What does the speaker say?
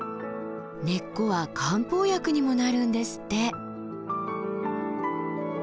根っこは漢方薬にもなるんですって。